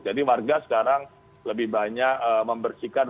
jadi warga sekarang lebih banyak membersihkan rumahnya